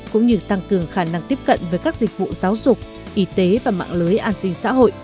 cũng như tăng cường khả năng tiếp cận với các dịch vụ giáo dục y tế và mạng lưới an sinh xã hội